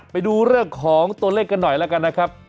ไปดูเรื่องของตัวเลขกันหน่อยแล้วกันนะครับ